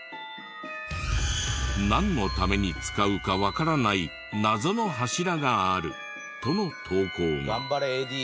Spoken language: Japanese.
なんのために使うかわからない謎の柱があるとの投稿が。